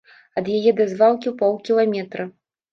Ад яе да звалкі паўкіламетра.